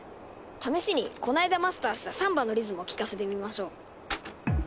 試しにこないだマスターしたサンバのリズムを聴かせてみましょう。